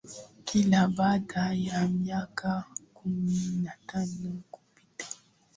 Kila baada ya miaka kumi na tano kupita